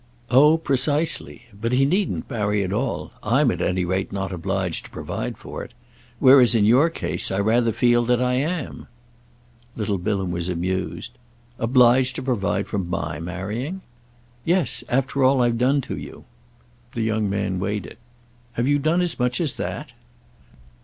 "Oh precisely! But he needn't marry at all—I'm at any rate not obliged to provide for it. Whereas in your case I rather feel that I am." Little Bilham was amused. "Obliged to provide for my marrying?" "Yes—after all I've done to you!" The young man weighed it. "Have you done as much as that?"